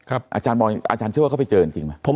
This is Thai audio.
อาจารย์เชื่อว่าเขาไปเจอจริงมั้ย